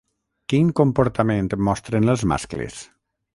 Quin comportament mostren els mascles?